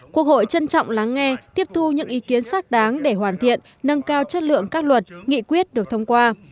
quốc hội trân trọng lắng nghe tiếp thu những ý kiến xác đáng để hoàn thiện nâng cao chất lượng các luật nghị quyết được thông qua